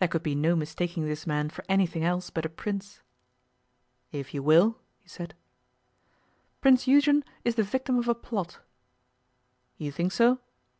There could be no mistaking this man for anything else but a Prince. 'If you will,' he said. 'Prince Eugen is the victim of a plot.' 'You think so?